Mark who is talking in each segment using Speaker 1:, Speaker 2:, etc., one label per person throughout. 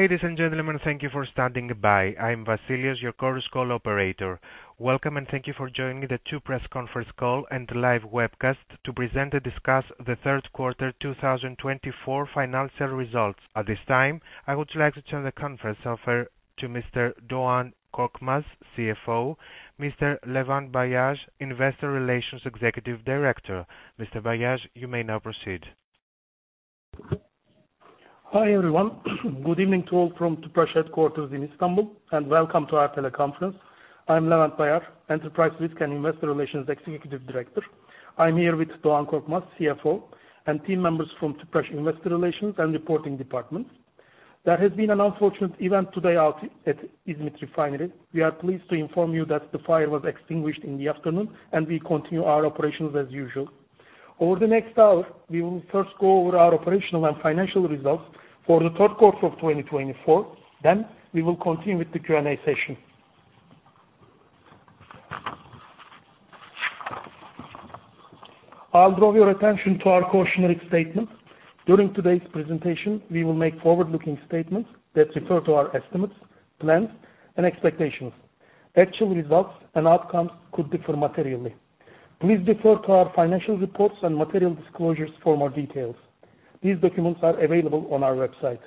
Speaker 1: Ladies and gentlemen, thank you for standing by. I'm Vasilios, your Chorus Call operator. Welcome, and thank you for joining the Tüpraş conference call and the live webcast to present and discuss the third quarter 2024 financial results. At this time, I would like to turn the conference over to Mr. Doğan Korkmaz, CFO, Mr. Levent Bayar, Investor Relations Executive Director. Mr. Bayar, you may now proceed.
Speaker 2: Hi everyone. Good evening to all from Tüpraş Headquarters in Istanbul, and welcome to our teleconference. I'm Levent Bayar, Enterprise Risk and Investor Relations Executive Director. I'm here with Doğan Korkmaz, CFO, and team members from Tüpraş Investor Relations and Reporting Department. There has been an unfortunate event today at Izmit Refinery. We are pleased to inform you that the fire was extinguished in the afternoon, and we continue our operations as usual. Over the next hour, we will first go over our operational and financial results for the third quarter of 2024. Then, we will continue with the Q&A session. I'll draw your attention to our cautionary statement. During today's presentation, we will make forward-looking statements that refer to our estimates, plans, and expectations. Actual results and outcomes could differ materially. Please refer to our financial reports and material disclosures for more details. These documents are available on our website.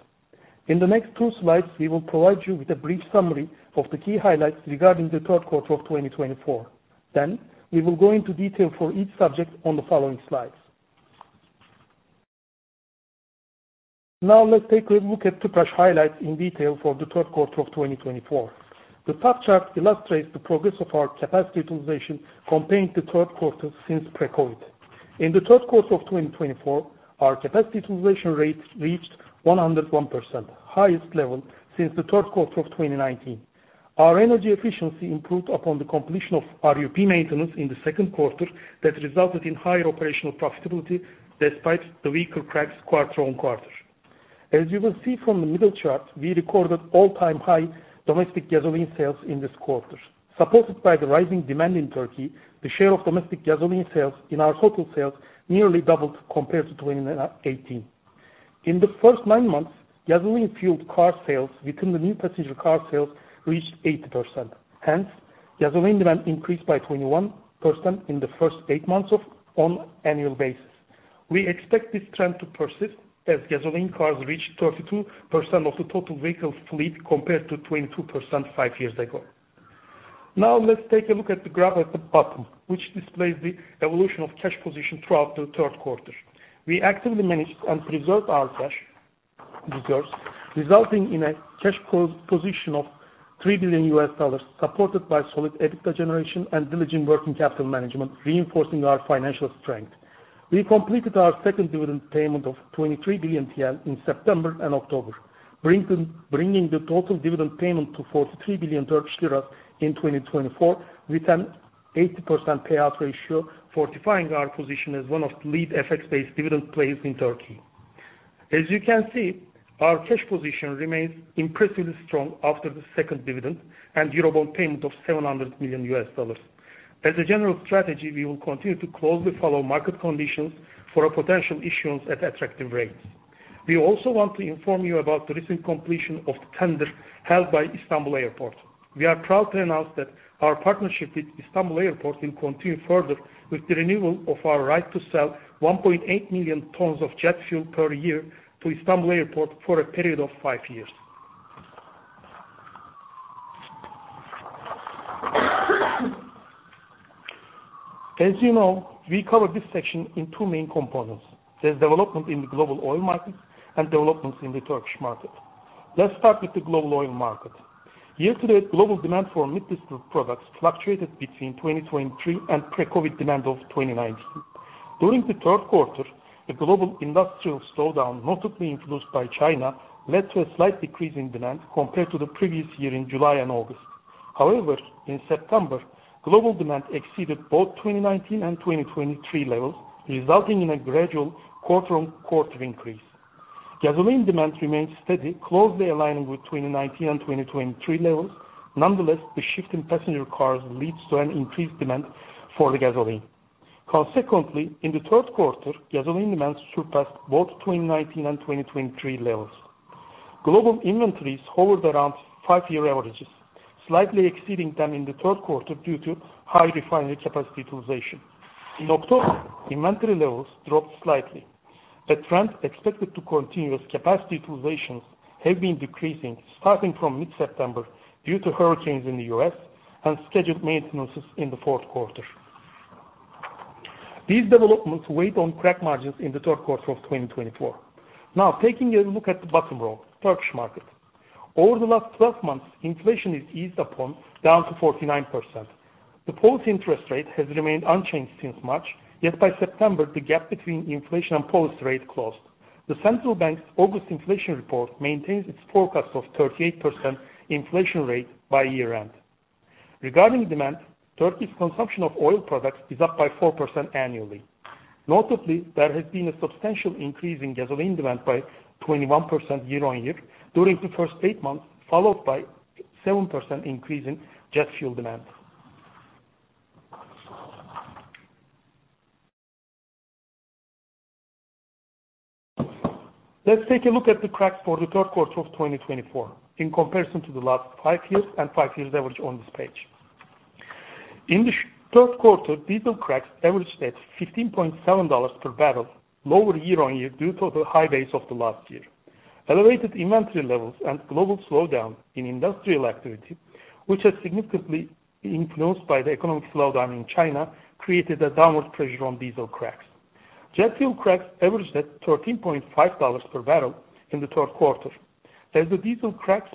Speaker 2: In the next two slides, we will provide you with a brief summary of the key highlights regarding the third quarter of 2024. Then, we will go into detail for each subject on the following slides. Now, let's take a look at Tüpraş highlights in detail for the third quarter of 2024. The top chart illustrates the progress of our capacity utilization compared to the third quarter since pre-COVID. In the third quarter of 2024, our capacity utilization rate reached 101%, the highest level since the third quarter of 2019. Our energy efficiency improved upon the completion of RUP maintenance in the second quarter that resulted in higher operational profitability despite the weaker cracks quarter on quarter. As you will see from the middle chart, we recorded all-time high domestic gasoline sales in this quarter. Supported by the rising demand in Turkey, the share of domestic gasoline sales in our total sales nearly doubled compared to 2018. In the first nine months, gasoline-fueled car sales within the new passenger car sales reached 80%. Hence, gasoline demand increased by 21% in the first eight months on an annual basis. We expect this trend to persist as gasoline cars reach 32% of the total vehicle fleet compared to 22% five years ago. Now, let's take a look at the graph at the bottom, which displays the evolution of cash position throughout the third quarter. We actively managed and preserved our cash reserves, resulting in a cash position of $3 billion supported by solid EBITDA generation and diligent working capital management, reinforcing our financial strength. We completed our second dividend payment of TRY 23 billion in September and October, bringing the total dividend payment to 43 billion Turkish lira in 2024 with an 80% payout ratio, fortifying our position as one of the lead FX-based dividend players in Turkey. As you can see, our cash position remains impressively strong after the second dividend and Eurobond payment of $700 million. As a general strategy, we will continue to closely follow market conditions for potential issuance at attractive rates. We also want to inform you about the recent completion of the tender held by Istanbul Airport. We are proud to announce that our partnership with Istanbul Airport will continue further with the renewal of our right to sell 1.8 million tons of jet fuel per year to Istanbul Airport for a period of five years. As you know, we cover this section in two main components: there's development in the global oil markets and developments in the Turkish market. Let's start with the global oil market. Year-to-date, global demand for middle distillate products fluctuated between 2023 and pre-COVID demand of 2019. During the third quarter, a global industrial slowdown, notably influenced by China, led to a slight decrease in demand compared to the previous year in July and August. However, in September, global demand exceeded both 2019 and 2023 levels, resulting in a gradual quarter-on-quarter increase. Gasoline demand remained steady, closely aligning with 2019 and 2023 levels. Nonetheless, the shift in passenger cars leads to an increased demand for the gasoline. Consequently, in the third quarter, gasoline demand surpassed both 2019 and 2023 levels. Global inventories hovered around five-year averages, slightly exceeding them in the third quarter due to high refinery capacity utilization. In October, inventory levels dropped slightly. A trend expected to continue as capacity utilizations have been decreasing, starting from mid-September due to hurricanes in the U.S. and scheduled maintenances in the fourth quarter. These developments weighed on crack margins in the third quarter of 2024. Now, taking a look at the bottom row, Turkish market. Over the last 12 months, inflation is eased down to 49%. The policy interest rate has remained unchanged since March, yet by September, the gap between inflation and policy rate closed. The central bank's August inflation report maintains its forecast of 38% inflation rate by year-end. Regarding demand, Turkey's consumption of oil products is up by 4% annually. Notably, there has been a substantial increase in gasoline demand by 21% year-on-year during the first eight months, followed by a 7% increase in jet fuel demand. Let's take a look at the cracks for the third quarter of 2024 in comparison to the last five years and five-year average on this page. In the third quarter, diesel cracks averaged at $15.7 per barrel, lower year-on-year due to the high base of the last year. Elevated inventory levels and global slowdown in industrial activity, which has been significantly influenced by the economic slowdown in China, created a downward pressure on diesel cracks. Jet fuel cracks averaged at $13.5 per barrel in the third quarter. As the diesel cracks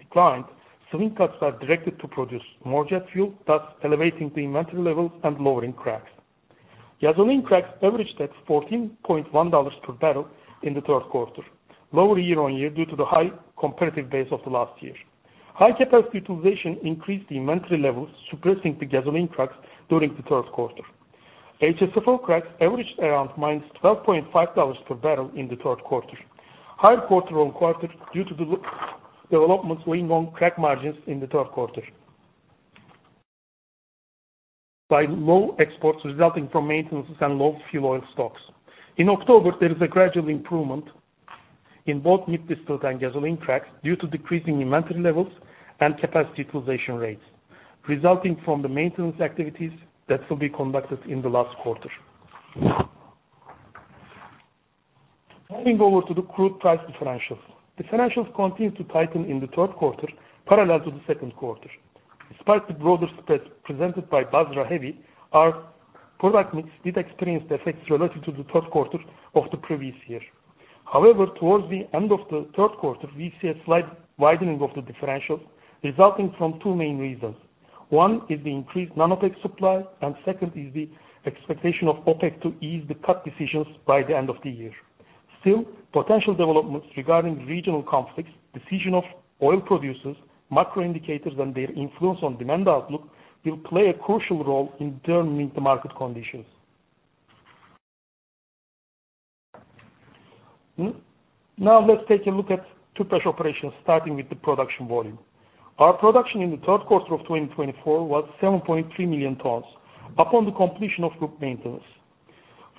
Speaker 2: declined, swing cuts are directed to produce more jet fuel, thus elevating the inventory levels and lowering cracks. Gasoline cracks averaged at $14.1 per barrel in the third quarter, lower year-on-year due to the high comparative base of the last year. High capacity utilization increased the inventory levels, suppressing the gasoline cracks during the third quarter. HSFO cracks averaged around -$12.5 per barrel in the third quarter, higher quarter-on-quarter due to the developments weighing on crack margins in the third quarter by low exports resulting from maintenances and low fuel oil stocks. In October, there is a gradual improvement in both mid-distillate and gasoline cracks due to decreasing inventory levels and capacity utilization rates resulting from the maintenance activities that will be conducted in the last quarter. Moving over to the crude price differentials. Differentials continue to tighten in the third quarter, parallel to the second quarter. Despite the broader spread presented by Basra Heavy, our product mix did experience the effects relative to the third quarter of the previous year. However, towards the end of the third quarter, we see a slight widening of the differentials, resulting from two main reasons. One is the increased naphtha supply, and second is the expectation of Opet to ease the cut decisions by the end of the year. Still, potential developments regarding regional conflicts, decision of oil producers, macro indicators, and their influence on demand outlook will play a crucial role in terms of market conditions. Now, let's take a look at Tüpraş operations, starting with the production volume. Our production in the third quarter of 2024 was 7.3 million tons upon the completion of routine maintenance.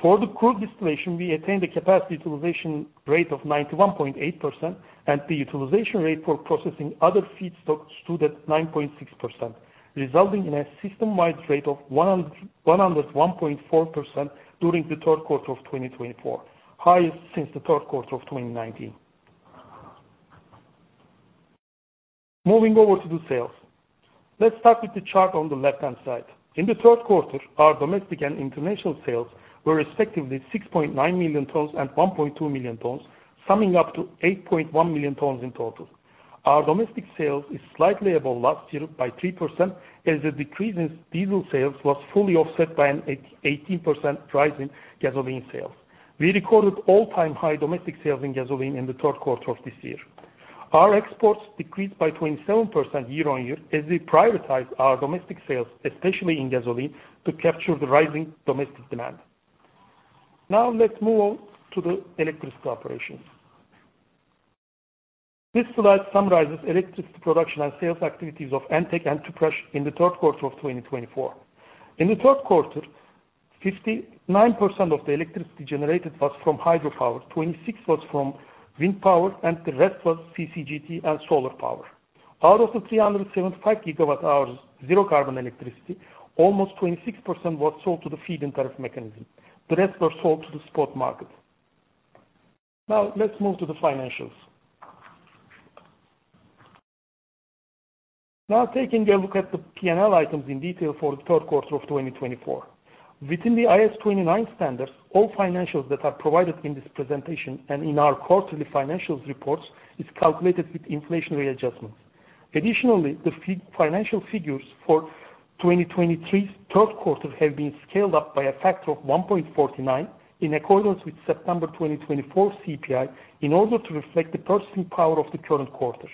Speaker 2: For the crude distillation, we attained a capacity utilization rate of 91.8%, and the utilization rate for processing other feedstocks stood at 9.6%, resulting in a system-wide rate of 101.4% during the third quarter of 2024, highest since the third quarter of 2019. Moving over to the sales. Let's start with the chart on the left-hand side. In the third quarter, our domestic and international sales were respectively 6.9 million tons and 1.2 million tons, summing up to 8.1 million tons in total. Our domestic sales is slightly above last year by 3%, as the decrease in diesel sales was fully offset by an 18% rise in gasoline sales. We recorded all-time high domestic sales in gasoline in the third quarter of this year. Our exports decreased by 27% year-on-year as we prioritized our domestic sales, especially in gasoline, to capture the rising domestic demand. Now, let's move on to the electricity operations. This slide summarizes electricity production and sales activities of Entek and Tüpraş in the third quarter of 2024. In the third quarter, 59% of the electricity generated was from hydropower, 26% was from wind power, and the rest was CCGT and solar power. Out of the 375 gigawatt-hours of zero-carbon electricity, almost 26% was sold to the feed-in tariff mechanism. The rest were sold to the spot market. Now, let's move to the financials. Now, taking a look at the P&L items in detail for the third quarter of 2024. Within the IAS 29 standards, all financials that are provided in this presentation and in our quarterly financials reports are calculated with inflationary adjustments. Additionally, the financial figures for 2023's third quarter have been scaled up by a factor of 1.49 in accordance with September 2024 CPI in order to reflect the purchasing power of the current quarter.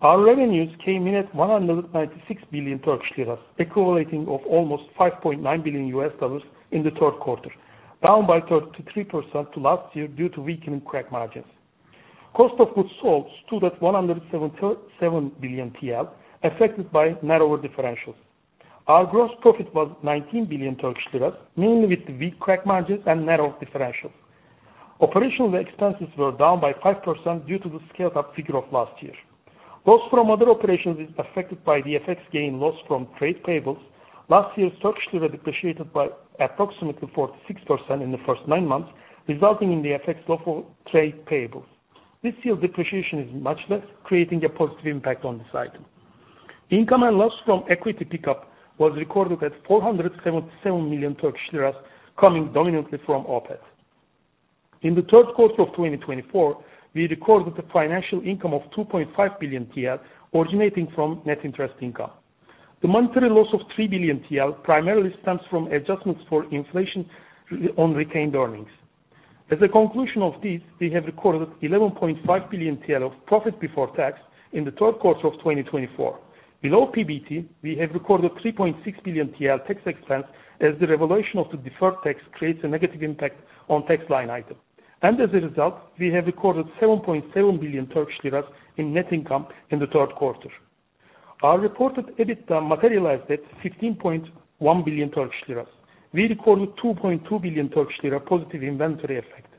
Speaker 2: Our revenues came in at 196 billion Turkish lira, equivalent to almost $5.9 billion in the third quarter, down by 33% to last year due to weakening crack margins. Cost of goods sold stood at 177 billion TL, affected by narrower differentials. Our gross profit was 19 billion Turkish lira, mainly with the weak crack margins and narrow differentials. Operational expenses were down by 5% due to the scaled-up figure of last year. Loss from other operations is affected by the FX gain/loss from trade payables. Last year's Turkish lira depreciated by approximately 46% in the first nine months, resulting in the FX loss of trade payables. This year's depreciation is much less, creating a positive impact on this item. Income and loss from equity pickup was recorded at 477 million Turkish lira, coming dominantly from Opet. In the third quarter of 2024, we recorded a financial income of 2.5 billion TL, originating from net interest income. The monetary loss of 3 billion TL primarily stems from adjustments for inflation on retained earnings. As a conclusion of this, we have recorded 11.5 billion TL of profit before tax in the third quarter of 2024. Below PBT, we have recorded 3.6 billion TL tax expense as the revaluation of the deferred tax creates a negative impact on the tax line item. As a result, we have recorded 7.7 billion Turkish lira in net income in the third quarter. Our reported EBITDA materialized at 15.1 billion Turkish lira. We recorded 2.2 billion Turkish lira positive inventory effect.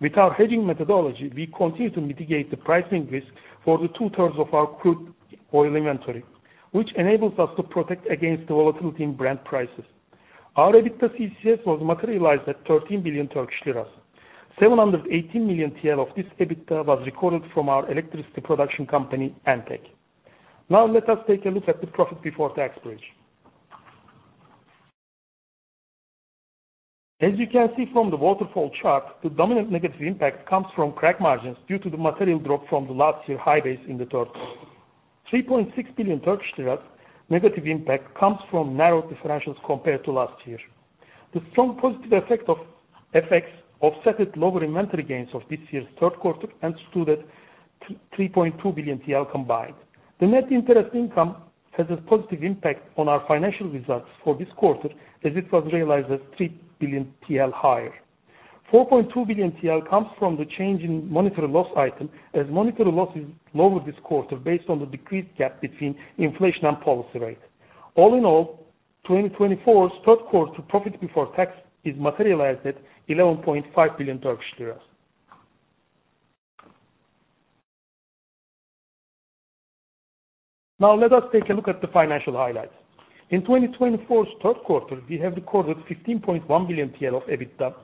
Speaker 2: With our hedging methodology, we continue to mitigate the pricing risk for the two-thirds of our crude oil inventory, which enables us to protect against the volatility in Brent prices. Our EBITDA CCS was materialized at 13 billion Turkish lira. 718 million TL of this EBITDA was recorded from our electricity production company, Entek. Now, let us take a look at the profit before tax breakdown. As you can see from the waterfall chart, the dominant negative impact comes from crack margins due to the material drop from the last year's high base in the third quarter. TRY 3.6 billion negative impact comes from narrow differentials compared to last year. The strong positive effect of FX offset at lower inventory gains of this year's third quarter and stood at 3.2 billion TL combined. The net interest income has a positive impact on our financial results for this quarter as it was realized at 3 billion TL higher. 4.2 billion TL comes from the change in monetary loss item as monetary loss is lower this quarter based on the decreased gap between inflation and policy rate. All in all, 2024's third quarter profit before tax is materialized at TRY 11.5 billion. Now, let us take a look at the financial highlights. In 2024's third quarter, we have recorded 15.1 billion TL of EBITDA,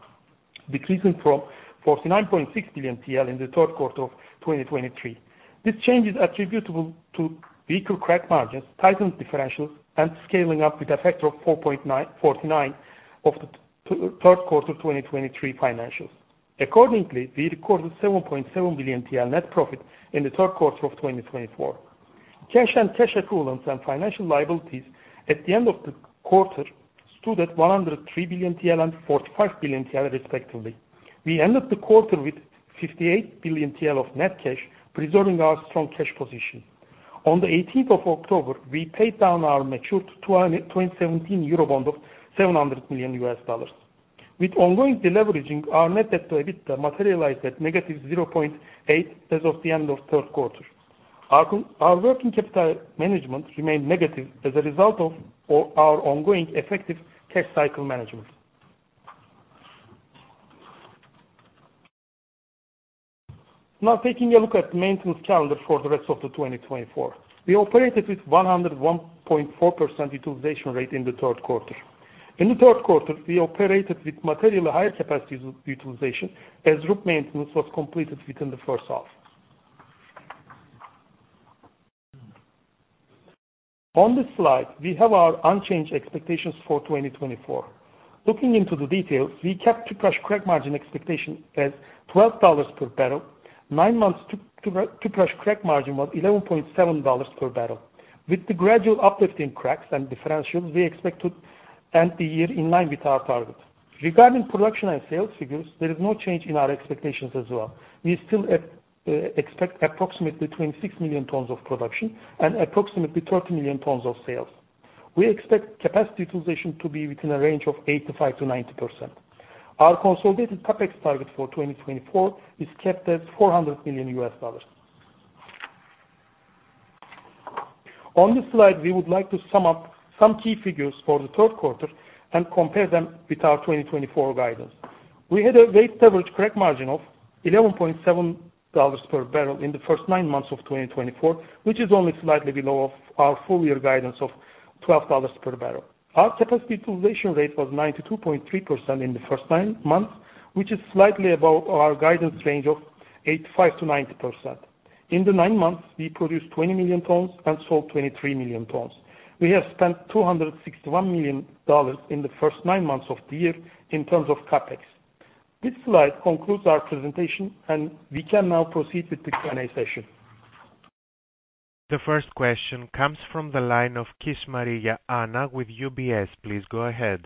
Speaker 2: decreasing from 49.6 billion TL in the third quarter of 2023. This change is attributable to weaker crack margins, tightened differentials, and scaling up with a factor of 4.49 of the third quarter 2023 financials. Accordingly, we recorded 7.7 billion TL net profit in the third quarter of 2024. Cash and cash equivalents and financial liabilities at the end of the quarter stood at 103 billion TL and 45 billion TL respectively. We ended the quarter with 58 billion TL of net cash, preserving our strong cash position. On the 18th of October, we paid down our mature 2017 Eurobond of $700 million. With ongoing deleveraging, our net debt to EBITDA materialized at negative 0.8 as of the end of third quarter. Our working capital management remained negative as a result of our ongoing effective cash cycle management. Now, taking a look at the maintenance calendar for the rest of 2024, we operated with 101.4% utilization rate in the third quarter. In the third quarter, we operated with materially higher capacity utilization as routine maintenance was completed within the first half. On this slide, we have our unchanged expectations for 2024. Looking into the details, we kept Tüpraş crack margin expectation as $12 per barrel. Nine months' Tüpraş crack margin was $11.7 per barrel. With the gradual uplift in cracks and differentials, we expect to end the year in line with our target. Regarding production and sales figures, there is no change in our expectations as well. We still expect approximately 26 million tons of production and approximately 30 million tons of sales. We expect capacity utilization to be within a range of 85%-90%. Our consolidated CapEx target for 2024 is kept at $400 million. On this slide, we would like to sum up some key figures for the third quarter and compare them with our 2024 guidance. We had a weighted average crack margin of $11.7 per barrel in the first nine months of 2024, which is only slightly below our full-year guidance of $12 per barrel. Our capacity utilization rate was 92.3% in the first nine months, which is slightly above our guidance range of 85%-90%. In the nine months, we produced 20 million tons and sold 23 million tons. We have spent $261 million in the first nine months of the year in terms of CapEx. This slide concludes our presentation, and we can now proceed with the Q&A session.
Speaker 1: The first question comes from the line of Kis-Maria Anna with UBS. Please go ahead.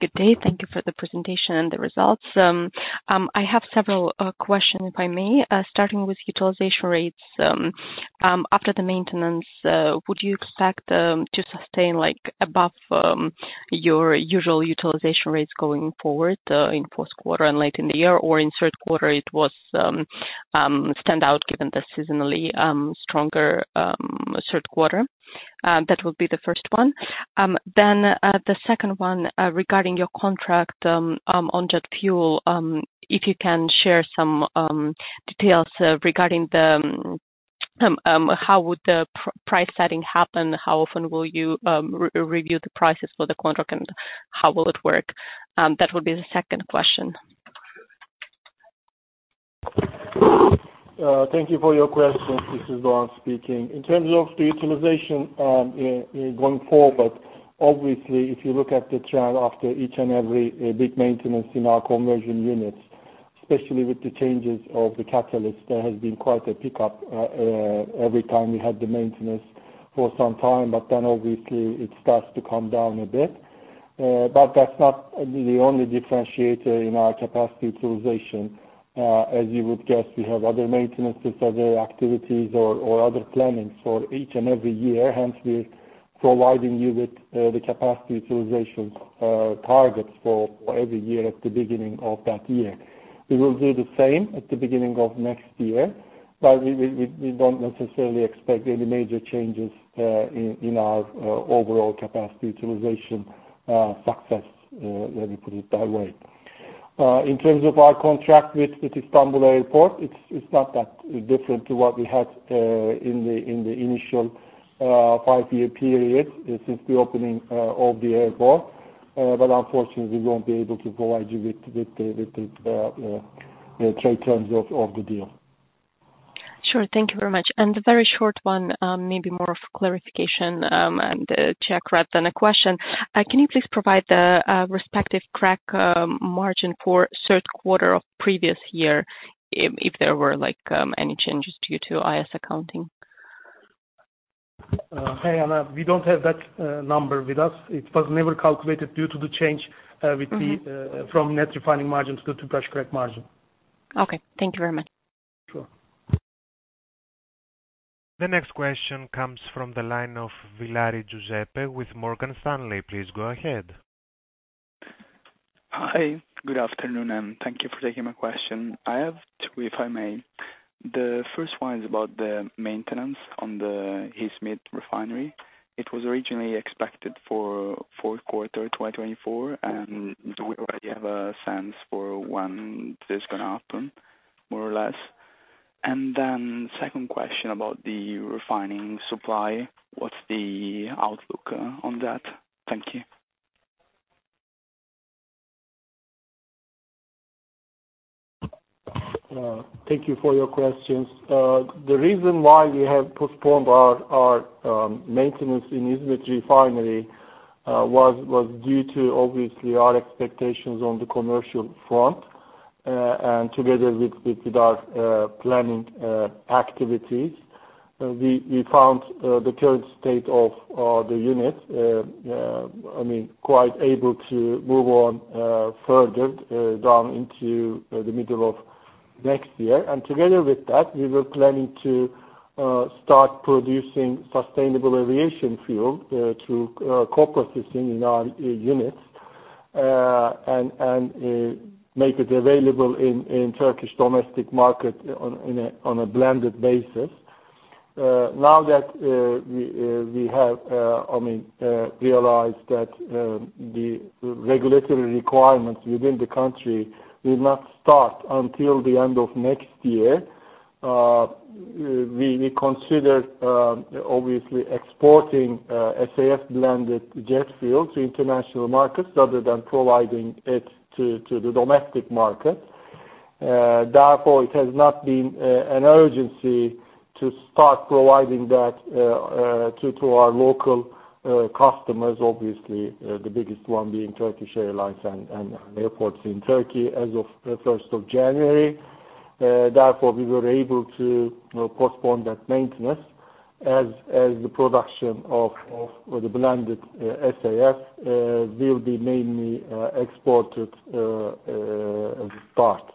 Speaker 3: Good day. Thank you for the presentation and the results. I have several questions, if I may, starting with utilization rates. After the maintenance, would you expect to sustain above your usual utilization rates going forward in the fourth quarter and late in the year, or in the third quarter it was standout given the seasonally stronger third quarter? That would be the first one. Then the second one regarding your contract on jet fuel, if you can share some details regarding how would the price setting happen, how often will you review the prices for the contract, and how will it work? That would be the second question.
Speaker 2: Thank you for your questions. This is Levent speaking. In terms of the utilization going forward, obviously, if you look at the trend after each and every big maintenance in our conversion units, especially with the changes of the catalysts, there has been quite a pickup every time we had the maintenance for some time, but then obviously it starts to come down a bit. But that's not the only differentiator in our capacity utilization. As you would guess, we have other maintenance activities or other plannings for each and every year. Hence, we're providing you with the capacity utilization targets for every year at the beginning of that year. We will do the same at the beginning of next year, but we don't necessarily expect any major changes in our overall capacity utilization success, let me put it that way. In terms of our contract with Istanbul Airport, it's not that different to what we had in the initial five-year period since the opening of the airport, but unfortunately, we won't be able to provide you with the trade terms of the deal.
Speaker 3: Sure. Thank you very much. A very short one, maybe more of clarification and a check rather than a question. Can you please provide the respective crack margin for the third quarter of the previous year if there were any changes due to IAS 29 accounting?
Speaker 4: Hey, Anna, we don't have that number with us. It was never calculated due to the change from net refining margin to the Tüpraş crack margin.
Speaker 3: Okay. Thank you very much.
Speaker 2: Sure.
Speaker 1: The next question comes from the line of Giuseppe Villari with Morgan Stanley. Please go ahead.
Speaker 5: Hi. Good afternoon, and thank you for taking my question. I have two, if I may. The first one is about the maintenance on the Izmit refinery. It was originally expected for the fourth quarter of 2024, and we already have a sense for when this is going to happen, more or less. And then the second question about the refining supply, what's the outlook on that? Thank you.
Speaker 2: Thank you for your questions. The reason why we have postponed our maintenance in Izmit refinery was due to, obviously, our expectations on the commercial front. And together with our planning activities, we found the current state of the unit, I mean, quite able to move on further down into the middle of next year. And together with that, we were planning to start producing sustainable aviation fuel through co-processing in our units and make it available in the Turkish domestic market on a blended basis. Now that we have, I mean, realized that the regulatory requirements within the country will not start until the end of next year, we consider, obviously, exporting SAF-blended jet fuel to international markets rather than providing it to the domestic market. Therefore, it has not been an urgency to start providing that to our local customers, obviously, the biggest one being Turkish Airlines and airports in Turkey as of the 1st of January. Therefore, we were able to postpone that maintenance as the production of the blended SAF will be mainly exported as a start.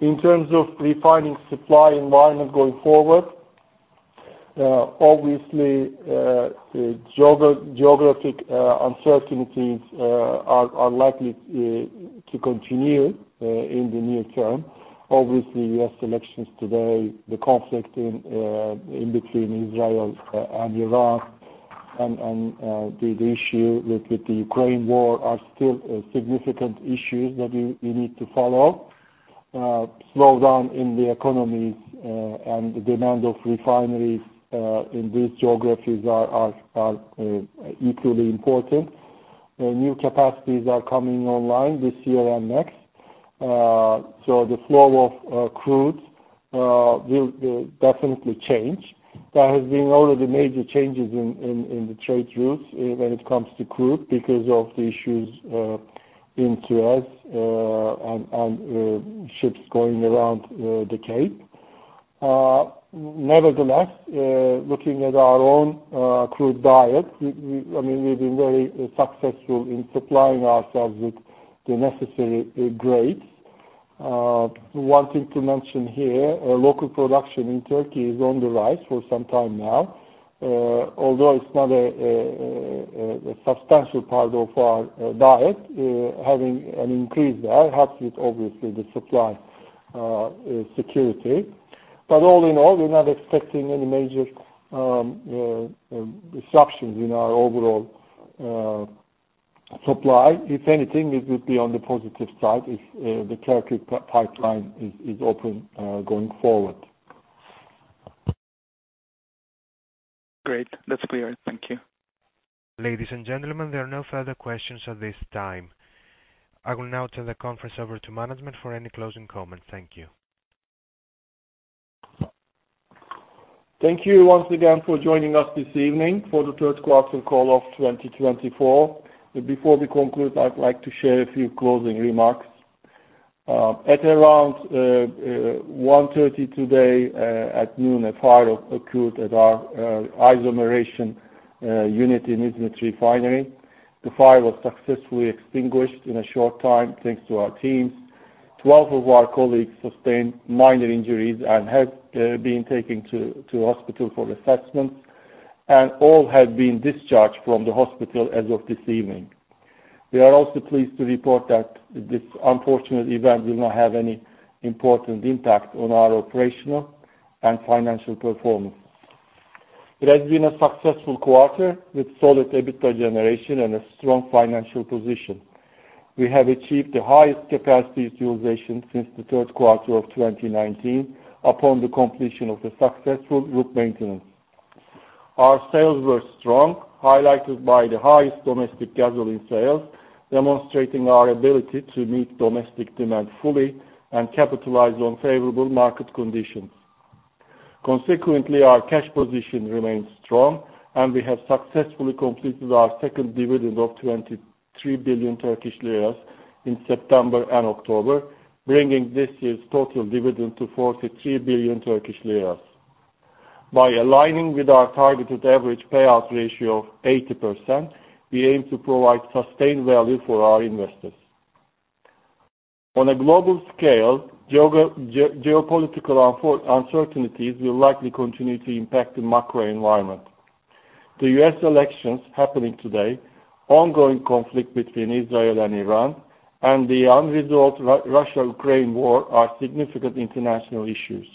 Speaker 2: In terms of refining supply environment going forward, obviously, geopolitical uncertainties are likely to continue in the near term. Obviously, U.S. elections today, the conflict between Israel and Iran, and the issue with the Ukraine war are still significant issues that we need to follow. Slowdown in the economies and the demand of refineries in these geographies are equally important. New capacities are coming online this year and next. So the flow of crude will definitely change. There have been already major changes in the trade routes when it comes to crude because of the issues in Suez and ships going around the Cape. Nevertheless, looking at our own crude diet, I mean, we've been very successful in supplying ourselves with the necessary grades. One thing to mention here, local production in Turkey is on the rise for some time now. Although it's not a substantial part of our diet, having an increase there helps with, obviously, the supply security. But all in all, we're not expecting any major disruptions in our overall supply. If anything, it would be on the positive side if the Turkish pipeline is open going forward.
Speaker 5: Great. That's clear.
Speaker 1: Thank you. Ladies and gentlemen, there are no further questions at this time. I will now turn the conference over to management for any closing comments. Thank you.
Speaker 2: Thank you once again for joining us this evening for the third quarter call of 2024. Before we conclude, I'd like to share a few closing remarks. At around 1:30 P.M. today at noon, a fire occurred at our isomerization unit in Izmit Refinery. The fire was successfully extinguished in a short time thanks to our teams. 12 of our colleagues sustained minor injuries and have been taken to the hospital for assessments, and all have been discharged from the hospital as of this evening. We are also pleased to report that this unfortunate event will not have any important impact on our operational and financial performance. It has been a successful quarter with solid EBITDA generation and a strong financial position. We have achieved the highest capacity utilization since the third quarter of 2019 upon the completion of the successful RUP maintenance. Our sales were strong, highlighted by the highest domestic gasoline sales, demonstrating our ability to meet domestic demand fully and capitalize on favorable market conditions. Consequently, our cash position remains strong, and we have successfully completed our second dividend of 23 billion Turkish lira in September and October, bringing this year's total dividend to 43 billion Turkish lira. By aligning with our targeted average payout ratio of 80%, we aim to provide sustained value for our investors. On a global scale, geopolitical uncertainties will likely continue to impact the macro environment. The U.S. elections happening today, ongoing conflict between Israel and Iran, and the unresolved Russia-Ukraine war are significant international issues.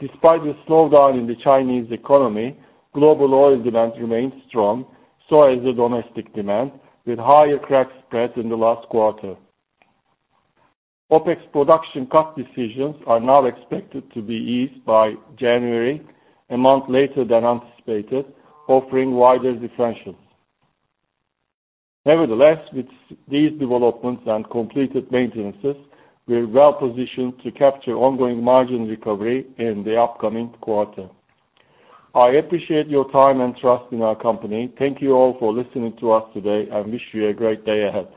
Speaker 2: Despite the slowdown in the Chinese economy, global oil demand remains strong, so has the domestic demand, with higher crack spreads in the last quarter. Opet production cut decisions are now expected to be eased by January, a month later than anticipated, offering wider differentials. Nevertheless, with these developments and completed maintenances, we're well positioned to capture ongoing margin recovery in the upcoming quarter. I appreciate your time and trust in our company. Thank you all for listening to us today and wish you a great day ahead.